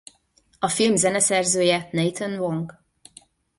A film zeneszerzője Nathan Wang.